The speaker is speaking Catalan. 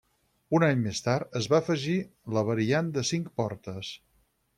Un any més tard es va afegir la variant de cinc portes.